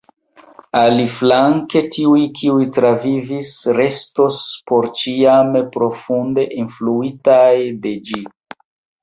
Aliflanke, tiuj kiuj transvivis restos porĉiame profunde influitaj de ĝi.